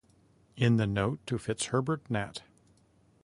In the note to Fitzherbert Nat.